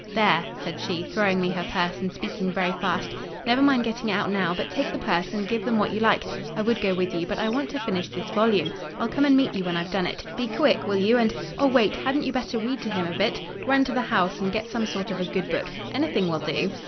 There!" said she, throwing me her purse, and speaking very fast—"Never mind getting it out now, but take the purse and give them what you like; I would go with you, but I want to finish this volume. I'll come and meet you when I've done it. Be quick, will you—and—oh, wait; hadn't you better read to him a bit? Run to the house and get some sort of a good book. Anything will do."